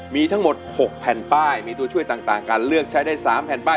มีทั้งหมด๖แผ่นป้ายมีตัวช่วยต่างการเลือกใช้ได้๓แผ่นป้าย